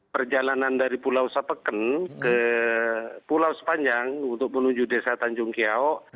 perjalanan dari pulau sapeken ke pulau sepanjang untuk menuju desa tanjung kiau